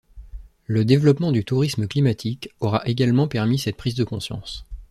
Le développement du tourisme climatique aura également permis cette prise de conscience.